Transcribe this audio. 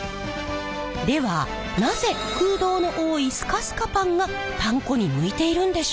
ではなぜ空洞の多いスカスカパンがパン粉に向いているんでしょう？